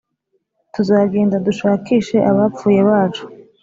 tuzagenda dushakishe abapfuye bacu;